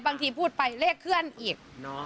พูดไปเลขเคลื่อนอีก